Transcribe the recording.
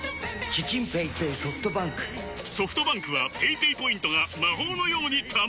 ソフトバンクはペイペイポイントが魔法のように貯まる！